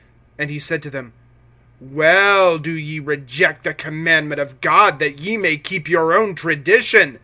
(9)And he said to them: Well do ye reject the commandment of God, that ye may keep your own tradition!